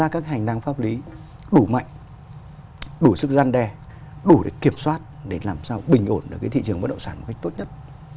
các hành lang pháp lý đủ mạnh đủ sức gian đe đủ để kiểm soát để làm sao bình ổn được thị trường bất động sản một cách tốt nhất